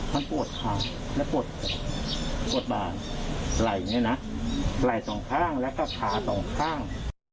มันปวดขาและปวดปวดบานไหล่อย่างนี้นะไหล่สองข้างแล้วก็ขาสองข้าง